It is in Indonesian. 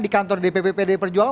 di kantor dpp pdi perjuangan